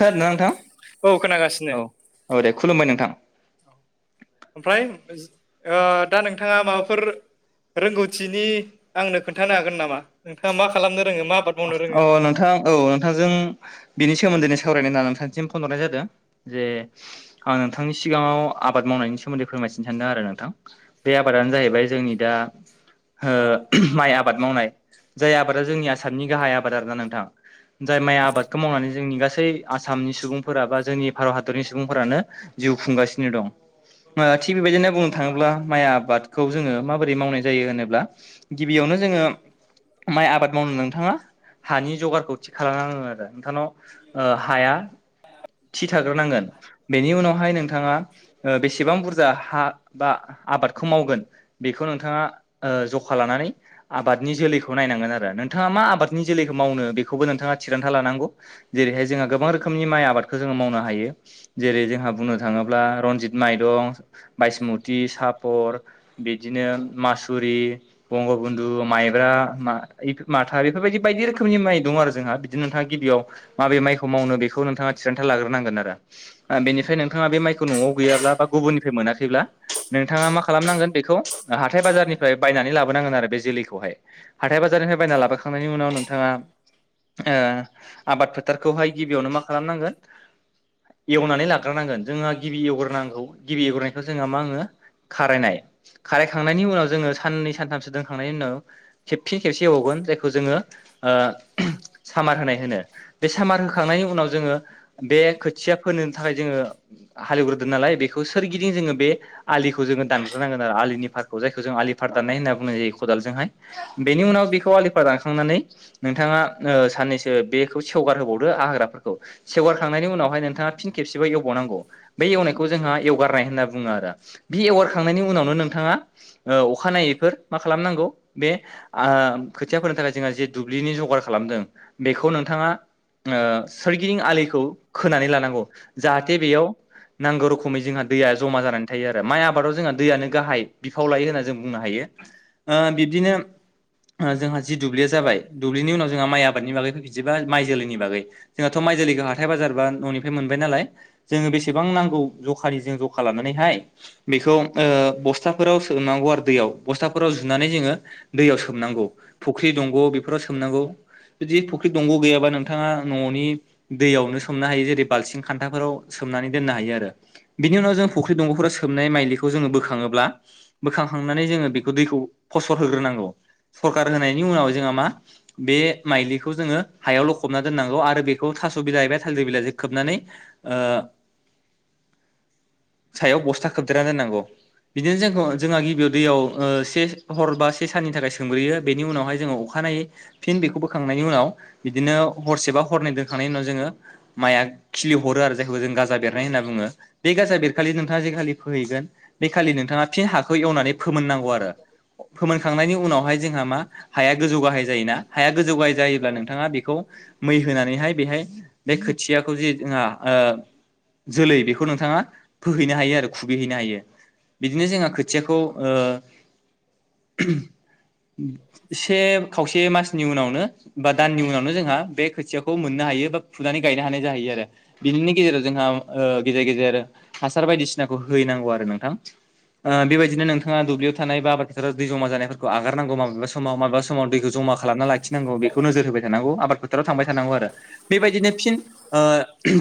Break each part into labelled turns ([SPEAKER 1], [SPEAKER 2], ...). [SPEAKER 1] खोनादों ना नोंथां
[SPEAKER 2] औ खोनागासिनो
[SPEAKER 1] औ औ दे खुलुमबाय नोंथां
[SPEAKER 2] ओमफ्राय दा नोंथाङा माबाफोर रोंगौथिनि आंनो खोन्थानो हागोन नामा नोंथाङा मा खालामनो रोङो मा आबाद मावनो
[SPEAKER 1] [unintelligible] अ
[SPEAKER 2] रोङो
[SPEAKER 1] नोंथाङा औ नोंथांजों बिनि सोमोन्दै सावरायनो होनना नोंथां सिम फनहरनाय जादों जे आं नोंथांनि सिगाङाव आबाद मावनायनि सोमोन्दै फोरमायथिनो सानदों आरो नोंथां बे आबादानो जाहैबाय जोंनि दा ओ माइ आबाद मावनाय जाय आबादा जोंनि आसामनि गाहाय आबाद आरो ना नोंथां जाय माइ आबादखौ मावनानै जोंनि गासै आसामनि सुबुंफोरा बा जोंनि भारत हादरनि सुबुंफोरानो जिउ खुंगासिनो दं थिग बेबायदिनो बुंनो थाङोब्ला माइया आबादखौ जोङो माबोरै मावनाय जायो होनोब्ला गिबियावनो जोङो माइ आबाद मावनो नोंथाङा हानि जगारखौ थिग खालामनानै लादों आरो नोंथांनाव ओ हाया थि थाग्रोनांगोन बेनि उनावहाय नोंथाङा ओ बेसेबां बुरजा हा बा आबादखौ मावगोन बेखौ नोंथाङा ओ जखा लानानै आबादनि जोलैखौ नायनांगोन आरो नों नोंथाङा मा आबादनि जोलैखौ मावनो बेखौबो नोंथाङा थिरांथा लानांगौ जेरैहाय जोंहा गोबां रोखनि माइ आबादखौ खौ जोङो मावनो हायो जेरै जोंहा बुंनो थाङोब्ला रनजित माइरं बायसमुति सा कापर बिदिनो मासुरि बंगबन्धु माइब्रा मा माथा बेफोरबायदि बायदि रोखोमनि माइ दं आरो जोंहा बिदिनो नोंथाङा गिबियाव माबे माइखौ मावनो बेखौ नोंथाङा थिरांथा लाग्रोनांगोन आरो ओ बेनिफ्राय नोंथाङा बे माइखौ न'आव गैयाब्ला बा गुबुननिफ्राय मोनाखैब्ला नोंथाङा मा खालामनांगोन बेखौ हाथाय बाजारनिफ्राय बायनानै लाबोनांगोन आरो बे जोलैखौहाय हाथाय बाजारनिफ्राय फ्रायना लाखांनायनि उनाव नोंथाङा आबाद फोथारखौहाय गिबियावनो मा खालामनांगौ एवनानै लाग्रोनांगोन जोंहा गिबि एवग्रोनांगौ गिबि एवग्रोनायनायखौ जोंहा मा होनो खारायनाय खारायखांनायनि उनाव जोङो साननै सानथामसो दोनखांनायनि उनाव खेबसे खेबसे एबावगोन जायखौ जोङो सामार होनाय होनो बे सामार होखांनायनि उनाव जोङो बे खोथिया फोनो थाखाय जोङो हालेवग्रोदों नालाय बेखौ सोरगिदिं जोङो बे आलिखौ जों दानस्रानांगोन आरो आलिनि फारखौहाय जायखौ जों आलि फार दाननाय होननानै बुंनाय जायो खदालजोंहाय बेनि उनाव बेखौ आलिखौ दानखांनानै नोंथाङा साननैसो बेखौ सेवगार होबावदो हाग्राफोरखौ सेवगारखांनायनि उनावहाय नोंथाङा फिन खेबसेबबो एवबावनांगौ बे एवनायखौ जोंहा एवगारनाय होनना बुङो आरो बि एवगार खांनायनि उनावनो नोंथाङा अखानायैफोर मा खालामनांगौ बे खोथिया फोनो थाखाय जोंहा जे दुब्लिनि जगार खालामदों बे बिथाङा सोरगिदिं आलि खोनानै लानांगौ जाहाथे बेयाव नांगौ रोखोमै जोंहा दैया जमा जानानै थायो आरो माइ आबादाव जोंहा दैयानो गाहाय बिफाव लायो होनना जों बुंनो हायो बिब्दिनो जोंहा जि दुब्लिया जाबाय दुब्लिनि उनाव जोंहा माइ आबादनि बागै बिदिबा माइ जोलैनि बागै जोंहाथ' माइ जोलैखौ ह हाथाय बाजार बा न'निफ्राय मोनबाय नालाय जों बेसेबां नांगौ जखा लानानैहाय बेखौ बस्थाफोराव सोमनांगौ आरो दैयाव बस्थाफोराव जुनानै जोङो दैयाव सोमनांगौ फुख्रि दंग' बेफोराव सोमनांगौ जुदि फुख्रि दंग' गैयाबा नोंथाङा न'नि दैयावनो सोमनो हायो जेरै बालसिं खान्थाफोराव सोमनानै दोननो हायो आरो बिनि उनाव जों फुख्रि दंग'फोरााव सोबनाय मखौ जो बोखांङोब्ला बोखांखांनानै जोङो बेखौ दैखौ फसर होग्रोनांगौ सरखार होनायनि उनाव जोङो मा बे माइलिखौ हायावल' लखबना दोननांगौ आरो बेखौ थास थालदि बिलाइजोंं खोबनानै सायाव बस्था खोबदेरना दोननांगौ बिदिनो जोंखौ जोंहा गिबियाव दैयाव से हर बा से साननि थाखाय सोंग्रोयो बेनि उनावहाय जोङो अखानायै फिन बेखौ बोखांनायनि उनाव बिदिनो हरसेबा हरनै दा जाउनाया जोंङो मया खिलि हरो आरो जायखौ जों गाजा बेरनाय होनना बुंङो बे गा बेरखालि नोंथा बे खालि फोहैगोन बेखालि नोंथाङा थिन हाखौ एवनानै फोमोननांगौ आरो फोमोनखांनायनि उनावहाय जोंहा मा हाया गोजौ गाहाय जायोना हाया गोजौ गाहाय जायोब्ला नोंथांङा बेखौ मै होनानैहाय बेहाय बे खोथियाखौ जे जोंहा जोलै बेखौ नोंथांङा फोहैनो हायो आरो खुबैहैनो हायो। बिदिनो जोंहा खोथियाखौ से खावसे मासनि उनावनो बा दाननि उनावनो जोंहा बे खोथियाखौ मोननो हायो बा फुनानै गनो हानाय ज आरो बिनि गेजेराव जोंहा गेजेर गेजेर हासार बायदि खौ होनांगौ आरो नोंथां बेबायदिनो नोंथांङा थानाय बााबादफोराव दै जमा जानायफोरखौ आगारनांगौ माब्लाबा समाव माब्लाबा समाव दैखौ जमा खालामना लाखिनांगौ बेखौ नोजोर होबाय [unintelligible] [unintelligible] आरो बेबायदिनो फिन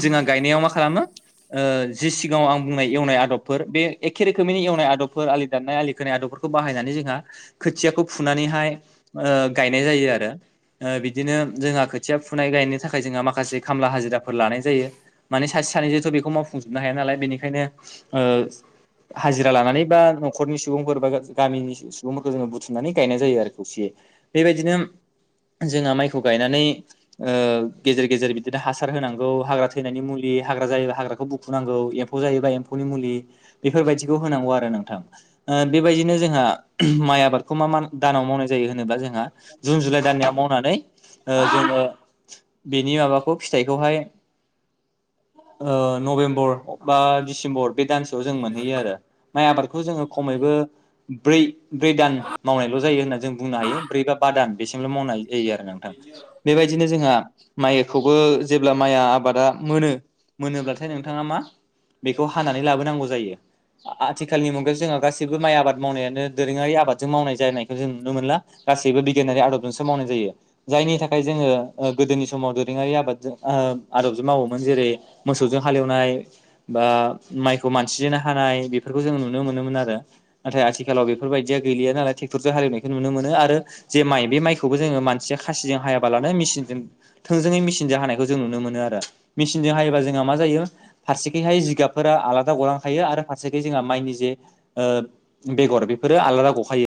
[SPEAKER 1] जोंहा गायनायाव मा खालामो जि सिगांङाव आं बुंनाय एवनाय आदबफोर बे एखे रोखोमैनि एवनाय आदबफोर आलि दाननाय आलि खोनाय आदबफोरखौ बाहायनानै जोंहा खोथियाखौ फुनानैहाय गायनाय जायो आरो बिदिनो जोंहा खोथिया फुनाय गायनो थाखाय जोंहा माखासे खामला हाजिराफोर लानाय जायो माने सासे सानैजोंथ' बेखौ मावफुंजोबनो हाया नालाय बेनिखायनो ओ हाजिरा लानानै बा न'खरनि सुबुंफोर बा गामिनि सुबुंफोरखौ जोंङो बुथुमनानै गायनाय जायो आरो खौसेयै बेबायदिनो जोंहा माइखौ गायनानै गेजेर गेजेर बिदिनो हासार होनांगौ हाग्रा थैनायनि मुलि हाग्रा जायोबा हाग्राखौ बुखुनांगौ एम्फौ एम्फौ बेफोरबायदिखौ होनांगौ आरो नोंथां बेबायदिनो जोंहा माइ आबादखौ मा मा जोबा जोंहा जुन जुलाइ दा मावनानै जोंङो बेनि माबाखौ फिथाइखौहाय नभेम्बर बा डिसेम्बर बे दानसेयाव जों मोनहैयो आरो माइ आबादखौ जोंङो खमैबो ब्रै ब्रै दान मावनायल' जायो होनना जों बुंनो हायो ब्रै बा बा दान बेसिमल' मावनाय एइ आरो नोंथां बेबायदिनो जोंहा माइखौबो जेब्ला माइआ आबादा मोनो मोनोब्लाथाय नोंथांङा मा बेखौ हानानै लाबोनांगौ जायो आथिखालनि मुगायाव जोंहा गासैबो माइ आबाद मावनायानो दोरोंङारि आबादजों मावनाय नुनो मोन गासैबो बिगयारि आदबजोंसो मावनाय जायो जायनि थाखाय जोंङो गोदोनि समाव दोरोंङारि आबादजों आदबजों मावोमोन जेरै मोसौजों हालेवनाय बा माइखौ मानसिजेननो हानाय बेफोरखौ जों नुनो मोनोमोन आरो नाथाय आथिखालाव बेफोरबायाददिया गैलिया नालाय थुरजा हालेवनायखौ नुनो मोनो आरो जे माइ बे माइखौबो जोङो मानसिया खासिजों हायाबालानो मेसिनजों थोंजोङै मेचिनजों हानायखौ जों नुनो मोनो आरो मेचिनजों हायोबा जोंहा मा जायो फारसेखैहाय जिगाबफोरा आलादा गलांखायो आरो फारसेथि जोंहा माइनि जे बेगर बेफोरो आलादा गखायो